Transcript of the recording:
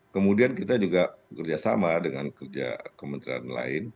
kemudian kita juga kerjasama dengan kerja kementerian lain